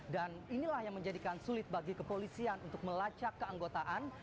dan inilah yang menjadikan sulit bagi kepolisian untuk melacak keanggotaan